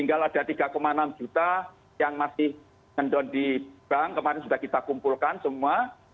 tinggal ada tiga enam juta yang masih mendown di bank kemarin sudah kita kumpulkan semua